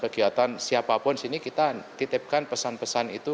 kegiatan siapapun di sini kita titipkan pesan pesan itu